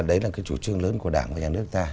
đấy là cái chủ trương lớn của đảng và nhà nước ta